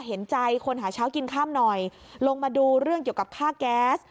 เห็นใจคนหาเช้ากินค่ำหน่อยลงมาดูเรื่องเกี่ยวกับค่าแก๊ส